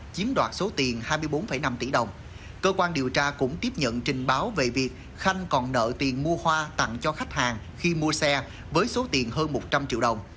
cơ quan cảnh sát điều tra cũng tiếp nhận trình báo về việc khanh còn nợ tiền mua hoa tặng cho khách hàng khi mua xe với số tiền hơn một trăm linh triệu đồng